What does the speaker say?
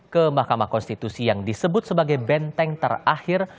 ke mahkamah konstitusi yang disebut sebagai benteng terakhir